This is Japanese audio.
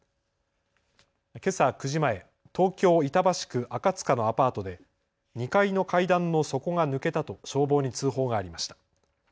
けさ９時前、東京板橋区赤塚のアパートで２階の階段の底が抜けたと消防に通報がありました。